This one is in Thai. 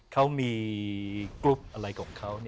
เขามีกรุ๊ปอะไรของเขา